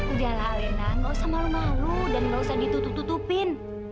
gejala alena gak usah malu malu dan nggak usah ditutup tutupin